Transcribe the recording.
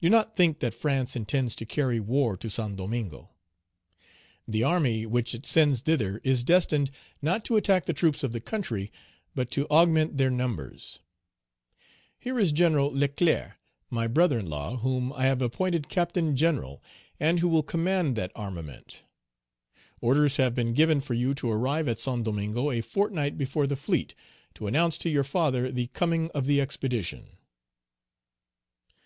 Do not think that France intends to carry war to Saint Domingo. The army which it sends thither is destined, not to attack the troops of the country, but to augment their numbers. Here is General Leclerc, my brother in law, whom I have appointed Captain General, and who will command that armament. Orders have been given for you to arrive at Saint Domingo a fortnight before the fleet, to announce to your father the coming of the expedition."